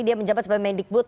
dia menjabat sebagai medikbut